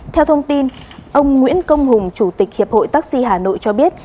theo thông tin ông nguyễn công hùng chủ tịch hiệp hội taxi hà nội cho biết